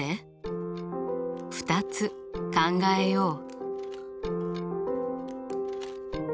２つ考えよう。